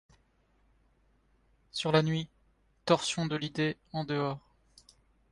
Sur la nuit ! torsion de l’idée en dehors